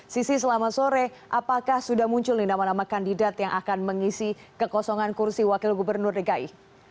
sisi selamat sore apakah sudah muncul nih nama nama kandidat yang akan mengisi kekosongan kursi wakil gubernur dki